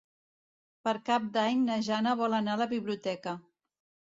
Per Cap d'Any na Jana vol anar a la biblioteca.